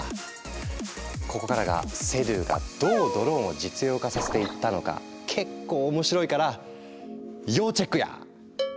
ここからがセドゥがどうドローンを実用化させていったのか結構面白いから要チェックや！